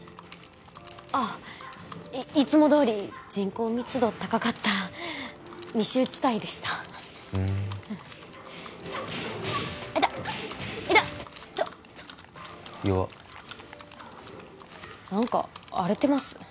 ああいつもどおり人口密度高かった密集地帯でしたふん痛っ痛っちょっちょっともう弱っ何か荒れてます？